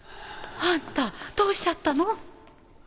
あんたどうしちゃったの⁉